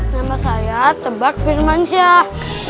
nama saya tebak firmansyah